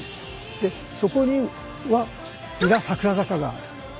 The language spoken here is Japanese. でそこには皆桜坂がある。